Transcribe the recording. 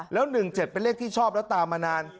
แล้ว๑๗เป็นเลขที่ชอบแล้วตามมานาน